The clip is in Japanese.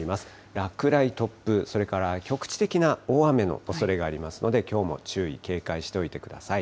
落雷、突風、それから局地的な大雨のおそれがありますので、きょうも注意、警戒しておいてください。